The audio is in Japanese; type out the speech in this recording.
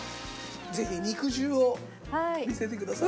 ぜひ肉汁を見せてください。